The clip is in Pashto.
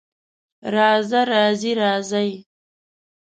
راځه، راځې، راځئ